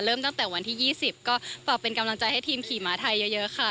เริ่มตั้งแต่วันที่ยี่สิบก็ปรับเป็นกำลังใจให้ทีมขี่หมาไทยเยอะเยอะค่ะ